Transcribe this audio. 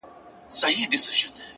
په گلونو کي عجيبه فلسفه ده-